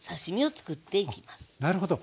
なるほど。